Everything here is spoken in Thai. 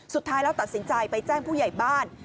สุดท้ายแล้วตัดสินใจไปแจ้งผู้ใหญ่บ้าน